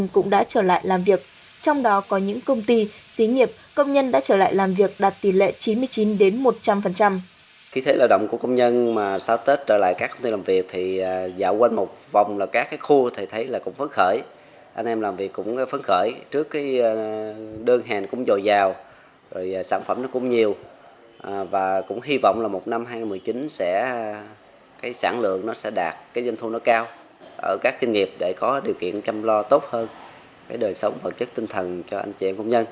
các công nhân cũng đã trở lại làm việc trong đó có những công ty xí nghiệp công nhân đã trở lại làm việc đạt tỷ lệ chín mươi chín một trăm linh